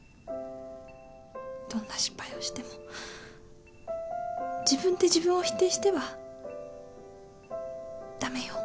どんな失敗をしても自分で自分を否定しては駄目よ。